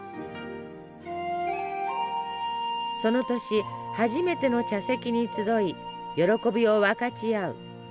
その年初めての茶席に集い喜びを分かち合う。